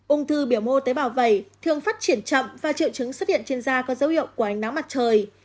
ung thư biểu mô tế bào vẩy thường phát triển chậm và triệu chứng xuất hiện trên da có dấu hiệu của ánh nắng mặt trời